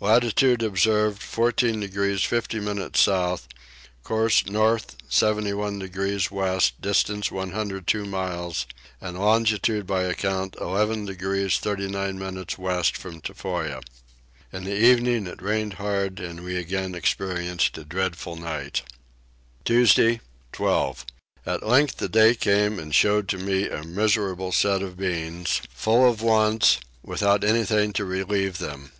Latitude observed 14 degrees 50 minutes south; course north 71 degrees west distance 102 miles; and longitude by account 11 degrees 39 minutes west from Tofoa. In the evening it rained hard and we again experienced a dreadful night. Tuesday 12. At length the day came and showed to me a miserable set of beings, full of wants, without anything to relieve them.